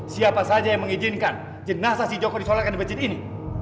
siapa saja yang mengizinkan jenazah si joko disolatkan di masjid ini